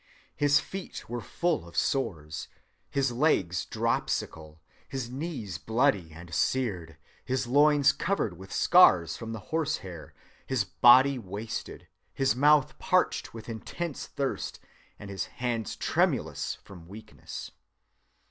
His feet were full of sores, his legs dropsical, his knees bloody and seared, his loins covered with scars from the horsehair, his body wasted, his mouth parched with intense thirst, and his hands tremulous from weakness.